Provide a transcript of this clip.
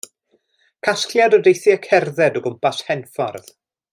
Casgliad o deithiau cerdded o gwmpas Henffordd.